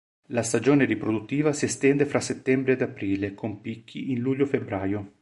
La stagione riproduttiva si estende fra settembre ed aprile, con picchi in luglio-febbraio.